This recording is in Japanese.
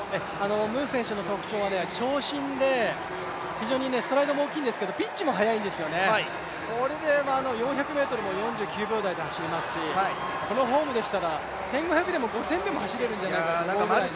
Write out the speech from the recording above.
ムー選手の特長は、長身で非常にストライドも大きいんですけどピッチもはやいんですね、これで４００ｍも４９秒台で走りますし、このフォームでしたら、１５００でも５０００でも走れるんじゃないかと。